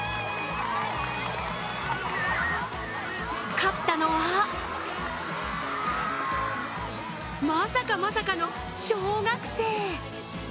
勝ったのはまさかまさかの小学生。